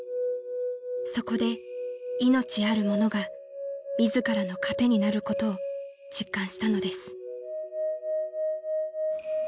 ［そこで命あるものが自らの糧になることを実感したのです］